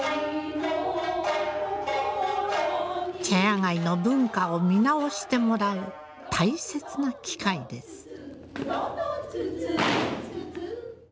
茶屋街の文化を見直してもらう大切な機会です。